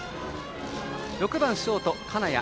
６番ショート、金谷。